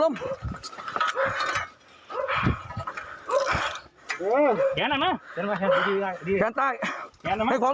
ระวังขา